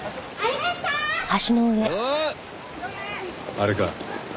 あれか？